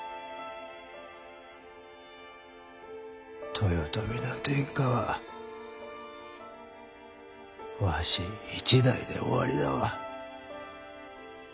豊臣の天下はわし一代で終わりだわ。